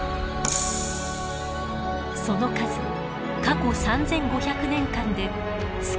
その数過去３，５００年間で少なくとも１万回。